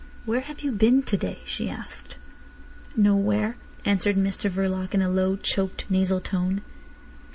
"Where have you been to day?" she asked. "Nowhere," answered Mr Verloc in a low, choked nasal tone.